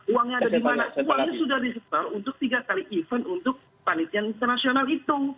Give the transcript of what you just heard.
uangnya ada di mana uangnya sudah disetor untuk tiga kali event untuk panitian internasional itu